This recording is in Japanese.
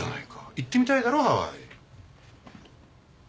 行ってみたいだろ？ハワイ。